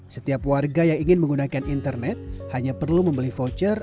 setiap warga yang ingin menggunakan internet hanya perlu membeli voucher